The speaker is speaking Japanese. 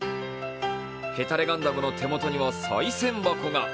へたれガンダムの手元にはさい銭箱が。